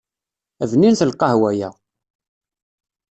Bninet lqahwa-ya.